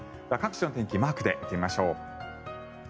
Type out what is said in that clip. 各地の天気マークで見てみましょう。